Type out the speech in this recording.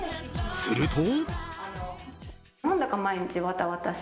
すると。